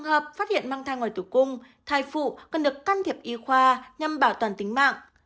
trường hợp phát hiện mang thai ngoài tử cung thai phụ cần được can thiệp y khoa nhằm bảo toàn tính mạng